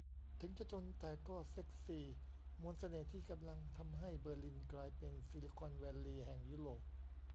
'ถึงจะจนแต่ก็เซ็กซี' มนต์เสน่ห์ที่กำลังทำให้เบอร์ลินกลายเป็น 'ซิลิคอนแวลลีย์' แห่งยุโรป